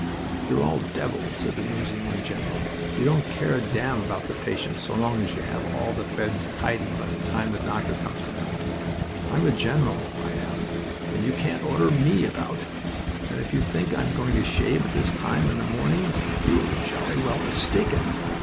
"You're all devils," said the New Zealand general. "You don't care a damn about the patients so long as you have all the beds tidy by the time the doctor comes around. I'm a general, I am, and you can't order ME about, and if you think I'm going to shave at this time in the morning you are jolly well mistaken.